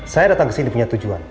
saya datang kesini punya tujuan